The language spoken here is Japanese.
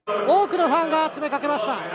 多くのファンが詰めかけました。